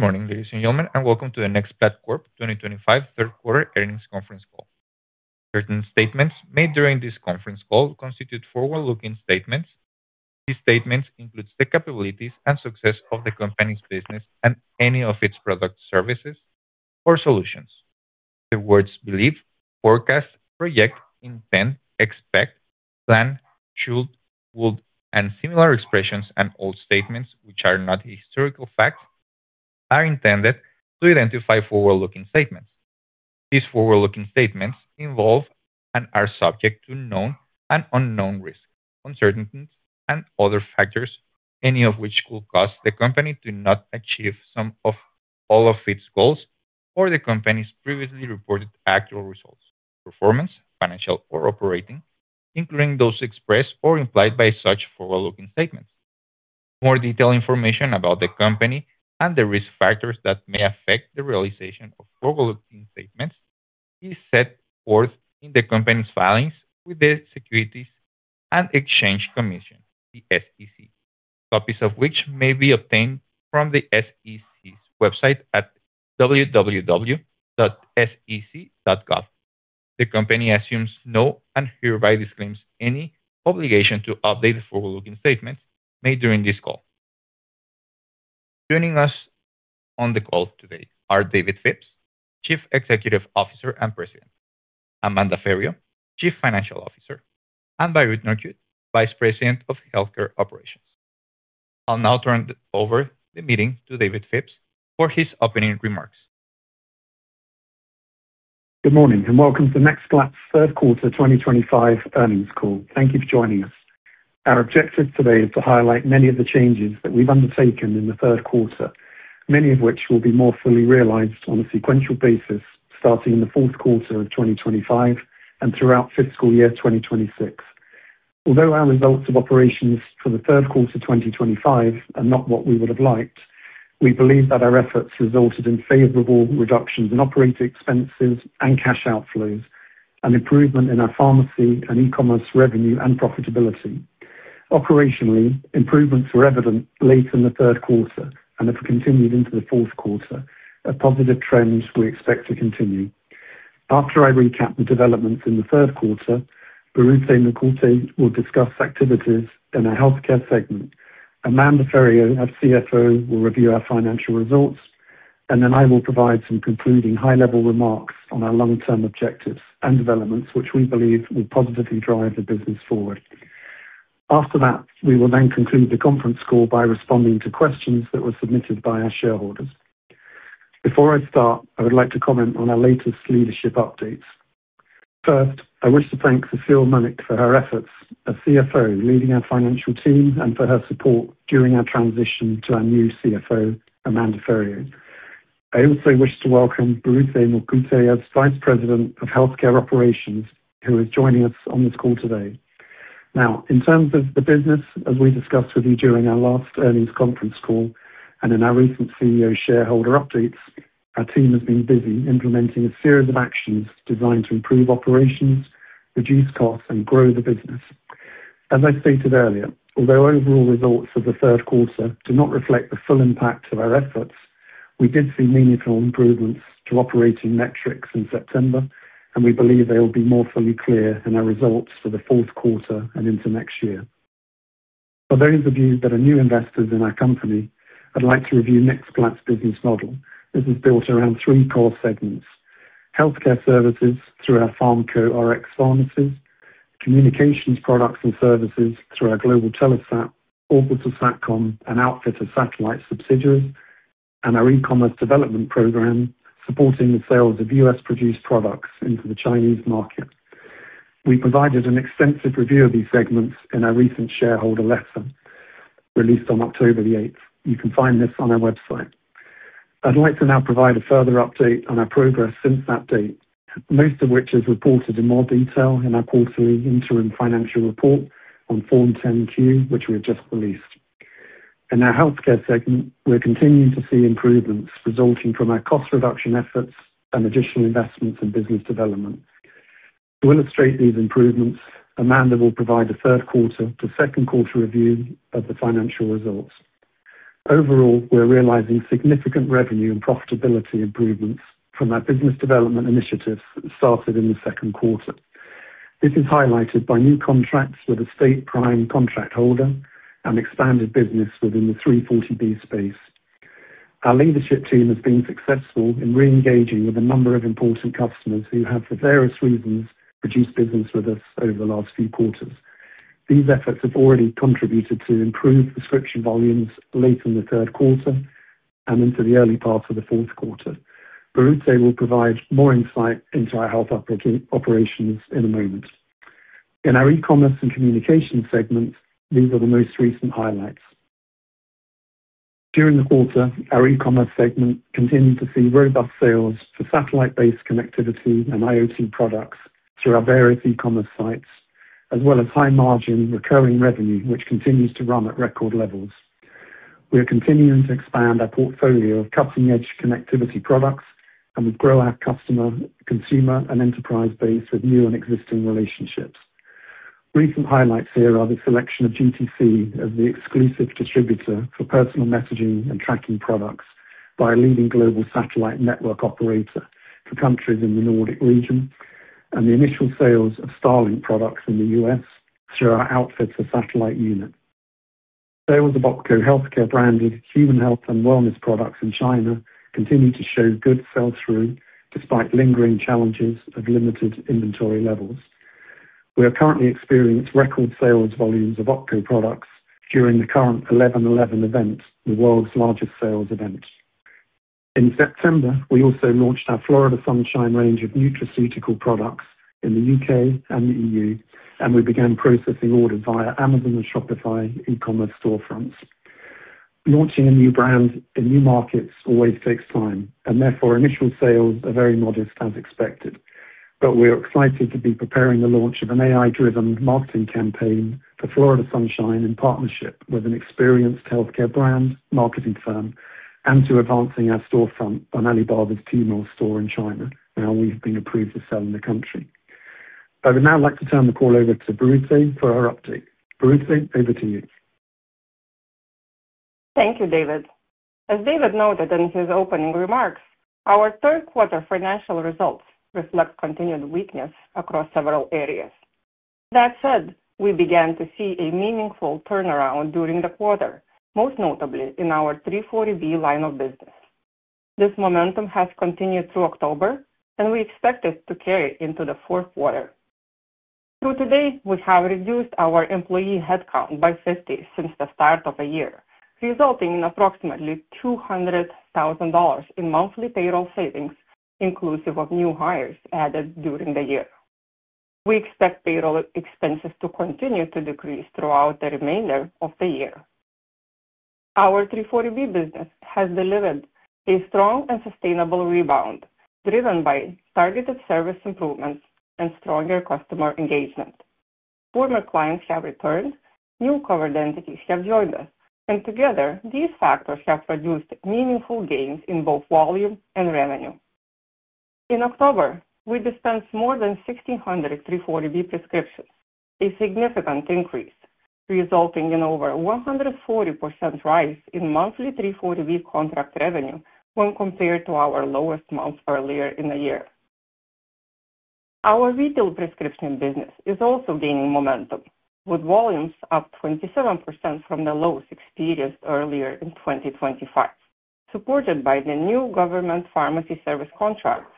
Good morning, ladies and gentlemen, and welcome to the NextPlat Corp 2025 third quarter earnings conference call. Certain statements made during this conference call constitute forward-looking statements. These statements include the capabilities and success of the company's business and any of its products, services, or solutions. The words believe, forecast, project, intend, expect, plan, should, would, and similar expressions and all statements which are not historical facts are intended to identify forward-looking statements. These forward-looking statements involve and are subject to known and unknown risks, uncertainties, and other factors, any of which could cause the company to not achieve some or all of its goals or the company's previously reported actual results, performance, financial, or operating, including those expressed or implied by such forward-looking statements. More detailed information about the company and the risk factors that may affect the realization of forward-looking statements is set forth in the company's filings with the Securities and Exchange Commission, the SEC, copies of which may be obtained from the SEC's website at www.sec.gov. The company assumes no and hereby disclaims any obligation to update the forward-looking statements made during this call. Joining us on the call today are David Phipps, Chief Executive Officer and President, Amanda Ferrio, Chief Financial Officer, and Birute Norkute, Vice President of Healthcare Operations. I'll now turn over the meeting to David Phipps for his opening remarks. Good morning and welcome to NextPlat's third quarter 2025 earnings call. Thank you for joining us. Our objective today is to highlight many of the changes that we've undertaken in the third quarter, many of which will be more fully realized on a sequential basis starting in the fourth quarter of 2025 and throughout fiscal year 2026. Although our results of operations for the third quarter 2025 are not what we would have liked, we believe that our efforts resulted in favorable reductions in operating expenses and cash outflows and improvement in our pharmacy and e-commerce revenue and profitability. Operationally, improvements were evident late in the third quarter and have continued into the fourth quarter, a positive trend we expect to continue. After I recap the developments in the third quarter, Birute Norkute will discuss activities in our healthcare segment. Amanda Ferrio, our CFO, will review our financial results, and then I will provide some concluding high-level remarks on our long-term objectives and developments which we believe will positively drive the business forward. After that, we will then conclude the conference call by responding to questions that were submitted by our shareholders. Before I start, I would like to comment on our latest leadership updates. First, I wish to thank Cecile Munnik for her efforts as CFO leading our financial team and for her support during our transition to our new CFO, Amanda Ferrio. I also wish to welcome Birute Norkute, Vice President of Healthcare Operations, who is joining us on this call today. Now, in terms of the business, as we discussed with you during our last earnings conference call and in our recent CEO shareholder updates, our team has been busy implementing a series of actions designed to improve operations, reduce costs, and grow the business. As I stated earlier, although overall results of the third quarter do not reflect the full impact of our efforts, we did see meaningful improvements to operating metrics in September, and we believe they will be more fully clear in our results for the fourth quarter and into next year. For those of you that are new investors in our company, I'd like to review NextPlat's business model. This is built around three core segments: healthcare services through our Pharmco Rx Pharmacies, communications products and services through our global Telesat, Orbital Satcom, and Outfitter Satellite subsidiaries, and our e-commerce development program supporting the sales of US-produced products into the Chinese market. We provided an extensive review of these segments in our recent shareholder letter released on October the 8th. You can find this on our website. I'd like to now provide a further update on our progress since that date, most of which is reported in more detail in our quarterly interim financial report on Form 10Q, which we have just released. In our healthcare segment, we're continuing to see improvements resulting from our cost reduction efforts and additional investments in business development. To illustrate these improvements, Amanda will provide a third quarter to second quarter review of the financial results. Overall, we're realizing significant revenue and profitability improvements from our business development initiatives started in the second quarter. This is highlighted by new contracts with a state prime contract holder and expanded business within the 340B space. Our leadership team has been successful in re-engaging with a number of important customers who have, for various reasons, reduced business with us over the last few quarters. These efforts have already contributed to improved prescription volumes late in the third quarter and into the early part of the fourth quarter. Birute will provide more insight into our health operations in a moment. In our e-commerce and communication segments, these are the most recent highlights. During the quarter, our e-commerce segment continues to see robust sales for satellite-based connectivity and IoT products through our various e-commerce sites, as well as high-margin recurring revenue, which continues to run at record levels. We are continuing to expand our portfolio of cutting-edge connectivity products and will grow our customer consumer and enterprise base with new and existing relationships. Recent highlights here are the selection of GTC as the exclusive distributor for personal messaging and tracking products by a leading global satellite network operator for countries in the Nordic region, and the initial sales of Starlink products in the US through our Outfitter Satellite unit. Sales of Opco Healthcare-branded human health and wellness products in China continue to show good sales through, despite lingering challenges of limited inventory levels. We are currently experiencing record sales volumes of Opco products during the current 11.11 event, the world's largest sales event. In September, we also launched our Florida Sunshine range of nutraceutical products in the U.K. and the EU, and we began processing orders via Amazon and Shopify e-commerce storefronts. Launching a new brand in new markets always takes time, and therefore initial sales are very modest, as expected. We are excited to be preparing the launch of an AI-driven marketing campaign for Florida Sunshine in partnership with an experienced healthcare brand marketing firm and to advancing our storefront on Alibaba's Tmall store in China, now we've been approved to sell in the country. I would now like to turn the call over to Birute for her update. Birute, over to you. Thank you, David. As David noted in his opening remarks, our third quarter financial results reflect continued weakness across several areas. That said, we began to see a meaningful turnaround during the quarter, most notably in our 340B line of business. This momentum has continued through October, and we expect it to carry into the fourth quarter. Through today, we have reduced our employee headcount by 50 since the start of the year, resulting in approximately $200,000 in monthly payroll savings, inclusive of new hires added during the year. We expect payroll expenses to continue to decrease throughout the remainder of the year. Our 340B business has delivered a strong and sustainable rebound, driven by targeted service improvements and stronger customer engagement. Former clients have returned, new covered entities have joined us, and together, these factors have produced meaningful gains in both volume and revenue. In October, we dispensed more than 1,600 340B prescriptions, a significant increase, resulting in over a 140% rise in monthly 340B contract revenue when compared to our lowest month earlier in the year. Our retail prescription business is also gaining momentum, with volumes up 27% from the lows experienced earlier in 2025, supported by the new government pharmacy service contracts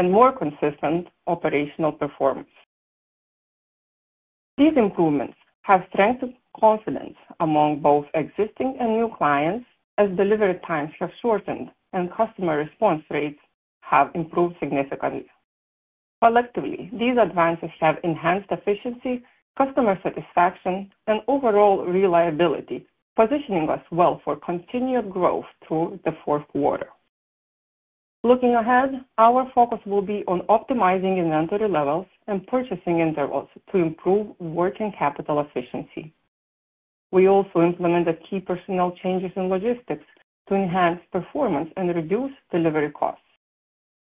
and more consistent operational performance. These improvements have strengthened confidence among both existing and new clients, as delivery times have shortened and customer response rates have improved significantly. Collectively, these advances have enhanced efficiency, customer satisfaction, and overall reliability, positioning us well for continued growth through the fourth quarter. Looking ahead, our focus will be on optimizing inventory levels and purchasing intervals to improve working capital efficiency. We also implemented key personnel changes in logistics to enhance performance and reduce delivery costs.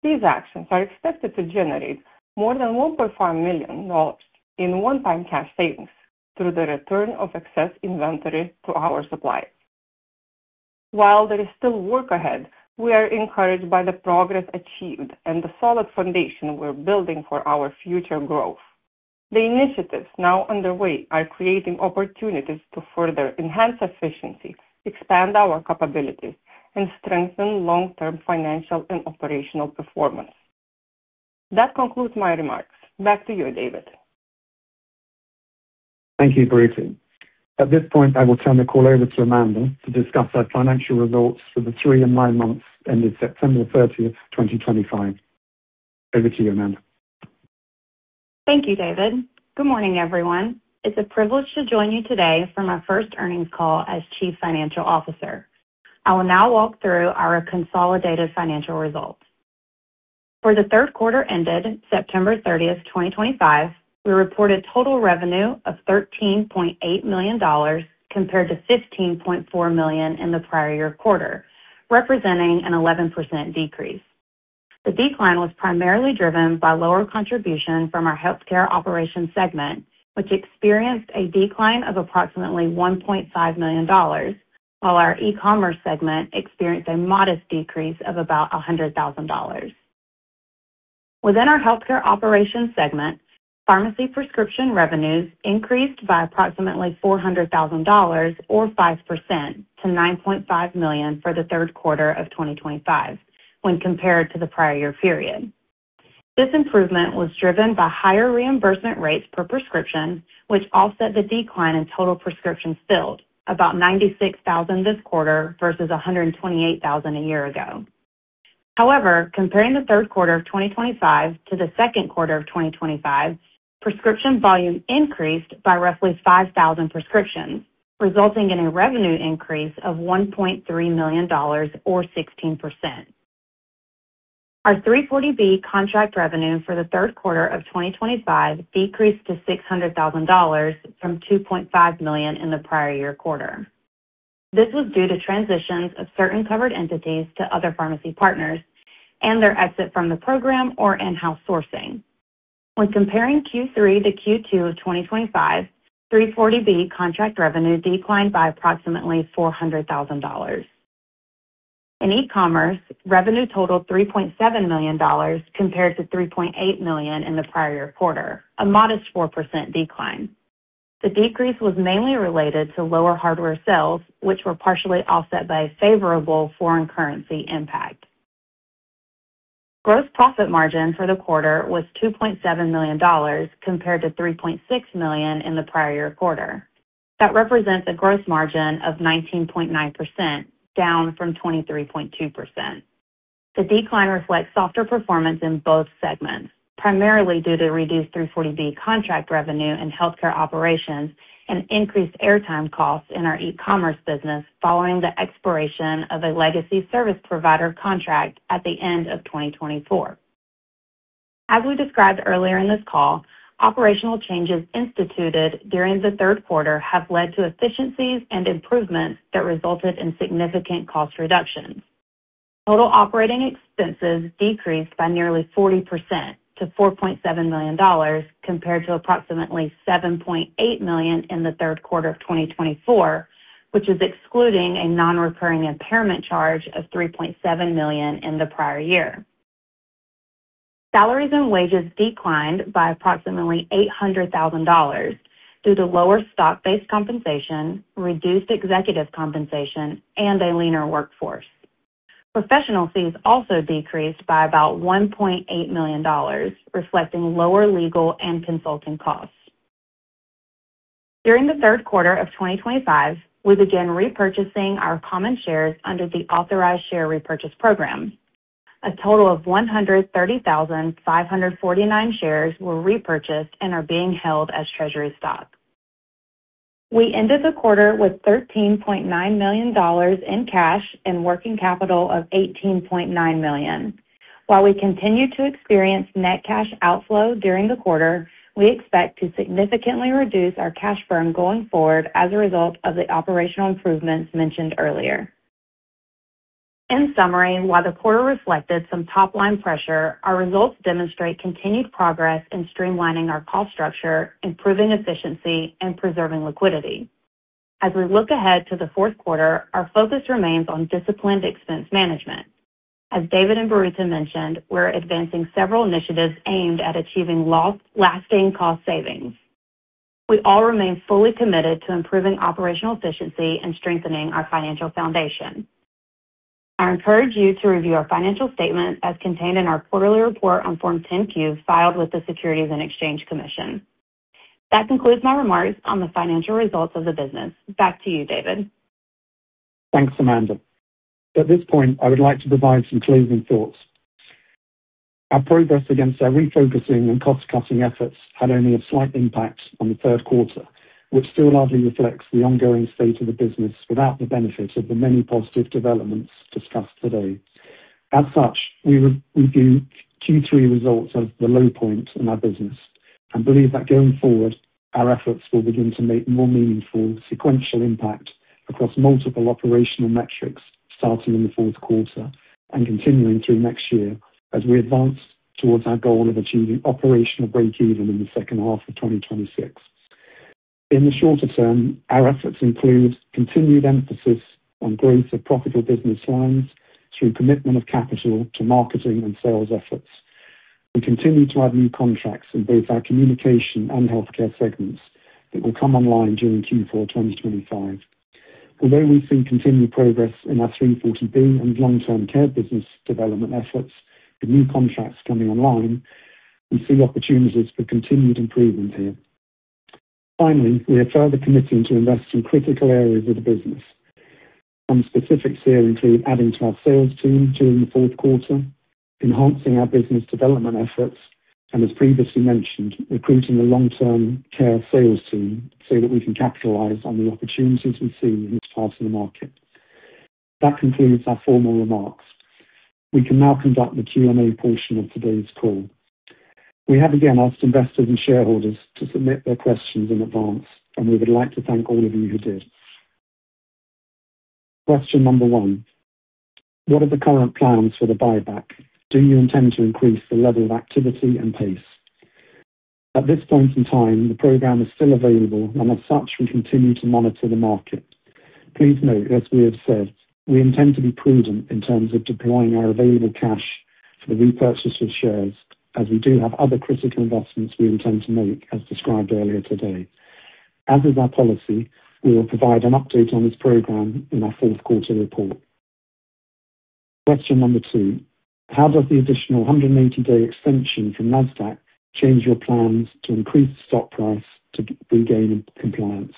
These actions are expected to generate more than $1.5 million in one-time cash savings through the return of excess inventory to our suppliers. While there is still work ahead, we are encouraged by the progress achieved and the solid foundation we're building for our future growth. The initiatives now underway are creating opportunities to further enhance efficiency, expand our capabilities, and strengthen long-term financial and operational performance. That concludes my remarks. Back to you, David. Thank you, Birute. At this point, I will turn the call over to Amanda to discuss our financial results for the three and nine months ending September 30, 2025. Over to you, Amanda. Thank you, David. Good morning, everyone. It's a privilege to join you today for my first earnings call as Chief Financial Officer. I will now walk through our consolidated financial results. For the third quarter ended September 30, 2025, we reported total revenue of $13.8 million compared to $15.4 million in the prior year quarter, representing an 11% decrease. The decline was primarily driven by lower contribution from our healthcare operations segment, which experienced a decline of approximately $1.5 million, while our e-commerce segment experienced a modest decrease of about $100,000. Within our healthcare operations segment, pharmacy prescription revenues increased by approximately $400,000 or 5% to $9.5 million for the third quarter of 2025 when compared to the prior year period. This improvement was driven by higher reimbursement rates per prescription, which offset the decline in total prescriptions filled, about 96,000 this quarter versus 128,000 a year ago. However, comparing the third quarter of 2025 to the second quarter of 2025, prescription volume increased by roughly 5,000 prescriptions, resulting in a revenue increase of $1.3 million or 16%. Our 340B contract revenue for the third quarter of 2025 decreased to $600,000 from $2.5 million in the prior year quarter. This was due to transitions of certain covered entities to other pharmacy partners and their exit from the program or in-house sourcing. When comparing Q3 to Q2 of 2025, 340B contract revenue declined by approximately $400,000. In e-commerce, revenue totaled $3.7 million compared to $3.8 million in the prior year quarter, a modest 4% decline. The decrease was mainly related to lower hardware sales, which were partially offset by a favorable foreign currency impact. Gross profit margin for the quarter was $2.7 million compared to $3.6 million in the prior year quarter. That represents a gross margin of 19.9%, down from 23.2%. The decline reflects softer performance in both segments, primarily due to reduced 340B contract revenue in healthcare operations and increased airtime costs in our e-commerce business following the expiration of a legacy service provider contract at the end of 2024. As we described earlier in this call, operational changes instituted during the third quarter have led to efficiencies and improvements that resulted in significant cost reductions. Total operating expenses decreased by nearly 40% to $4.7 million compared to approximately $7.8 million in the third quarter of 2024, which is excluding a non-recurring impairment charge of $3.7 million in the prior year. Salaries and wages declined by approximately $800,000 due to lower stock-based compensation, reduced executive compensation, and a leaner workforce. Professional fees also decreased by about $1.8 million, reflecting lower legal and consulting costs. During the third quarter of 2025, we began repurchasing our common shares under the Authorized Share Repurchase Program. A total of 130,549 shares were repurchased and are being held as treasury stock. We ended the quarter with $13.9 million in cash and working capital of $18.9 million. While we continue to experience net cash outflow during the quarter, we expect to significantly reduce our cash burn going forward as a result of the operational improvements mentioned earlier. In summary, while the quarter reflected some top-line pressure, our results demonstrate continued progress in streamlining our cost structure, improving efficiency, and preserving liquidity. As we look ahead to the fourth quarter, our focus remains on disciplined expense management. As David and Birute mentioned, we're advancing several initiatives aimed at achieving lasting cost savings. We all remain fully committed to improving operational efficiency and strengthening our financial foundation. I encourage you to review our financial statement as contained in our quarterly report on Form 10Q filed with the Securities and Exchange Commission. That concludes my remarks on the financial results of the business. Back to you, David. Thanks, Amanda. At this point, I would like to provide some closing thoughts. Our progress against our refocusing and cost-cutting efforts had only a slight impact on the third quarter, which still largely reflects the ongoing state of the business without the benefit of the many positive developments discussed today. As such, we review Q3 results as the low point in our business and believe that going forward, our efforts will begin to make more meaningful sequential impact across multiple operational metrics, starting in the fourth quarter and continuing through next year as we advance towards our goal of achieving operational break-even in the second half of 2026. In the shorter term, our efforts include continued emphasis on growth of profitable business lines through commitment of capital to marketing and sales efforts. We continue to add new contracts in both our communication and healthcare segments that will come online during Q4 2025. Although we see continued progress in our 340B and long-term care business development efforts with new contracts coming online, we see opportunities for continued improvement here. Finally, we are further committing to invest in critical areas of the business. Some specifics here include adding to our sales team during the fourth quarter, enhancing our business development efforts, and, as previously mentioned, recruiting a long-term care sales team so that we can capitalize on the opportunities we see in this part of the market. That concludes our formal remarks. We can now conduct the Q&A portion of today's call. We have again asked investors and shareholders to submit their questions in advance, and we would like to thank all of you who did. Question number one: What are the current plans for the buyback? Do you intend to increase the level of activity and pace? At this point in time, the program is still available, and as such, we continue to monitor the market. Please note, as we have said, we intend to be prudent in terms of deploying our available cash for the repurchase of shares, as we do have other critical investments we intend to make, as described earlier today. As is our policy, we will provide an update on this program in our fourth quarter report. Question number two: How does the additional 180-day extension from NASDAQ change your plans to increase the stock price to regain compliance?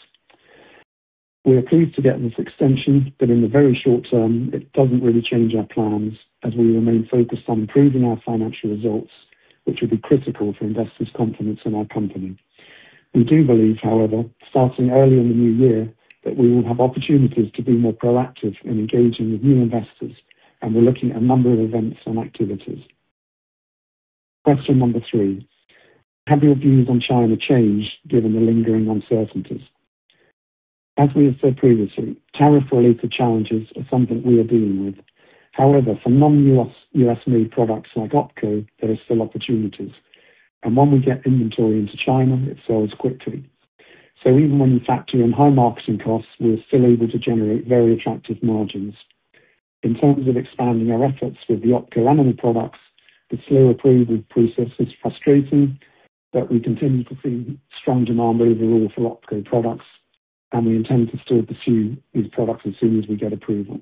We are pleased to get this extension, but in the very short term, it doesn't really change our plans as we remain focused on improving our financial results, which would be critical for investors' confidence in our company. We do believe, however, starting early in the new year, that we will have opportunities to be more proactive in engaging with new investors, and we're looking at a number of events and activities. Question number three: Have your views on China changed given the lingering uncertainties? As we have said previously, tariff-related challenges are something we are dealing with. However, for non-U.S.-made products like Opco, there are still opportunities, and when we get inventory into China, it sells quickly. Even when we factor in high marketing costs, we are still able to generate very attractive margins. In terms of expanding our efforts with the Opco Animal Products, the slow approval process is frustrating, but we continue to see strong demand overall for Opco products, and we intend to still pursue these products as soon as we get approval.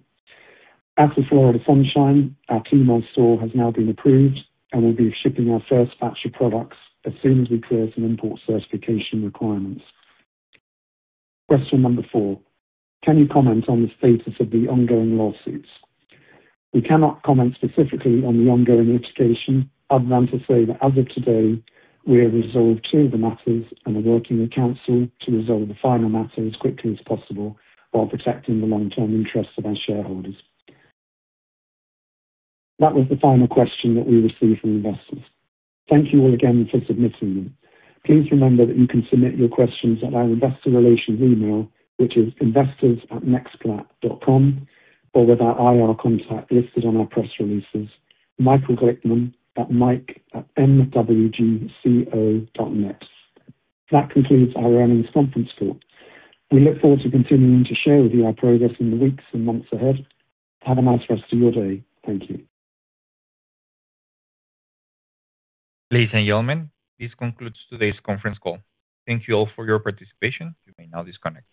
As for Florida Sunshine, our Tmall store has now been approved and will be shipping our first batch of products as soon as we clear some import certification requirements. Question number four: Can you comment on the status of the ongoing lawsuits? We cannot comment specifically on the ongoing litigation other than to say that as of today, we have resolved two of the matters and are working with counsel to resolve the final matter as quickly as possible while protecting the long-term interests of our shareholders. That was the final question that we received from investors. Thank you all again for submitting them. Please remember that you can submit your questions at our investor relations email, which is investors@nextplat.com, or with our IR contact listed on our press releases, michael.glickman@mike.mwgco.net. That concludes our earnings conference call. We look forward to continuing to share with you our progress in the weeks and months ahead. Have a nice rest of your day. Thank you. Lisa and Yeomin, this concludes today's conference call. Thank you all for your participation. You may now disconnect.